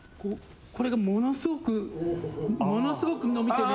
これがものすごくものすごくのびてね。